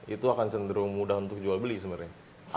itu akan cenderung mudah untuk jual beli sebenarnya